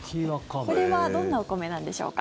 これはどんなお米なんでしょうか。